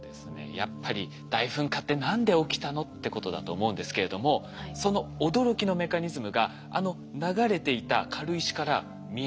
やっぱり「大噴火って何で起きたの？」ってことだと思うんですけれどもその驚きのメカニズムがあの流れていた軽石から見えてきたんです。